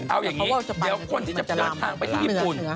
เอาอย่างนี้เดี๋ยวคนที่จะเดินทางไปที่ญี่ปุ่น